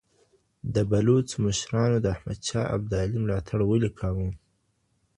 د بلوڅو مشرانو د احمد شاه ابدالي ملاتړ ولي کاوه؟